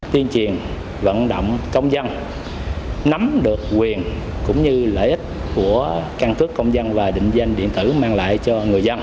tiên triền vận động công dân nắm được quyền cũng như lợi ích của căn cứ công dân và định danh điện tử mang lại cho người dân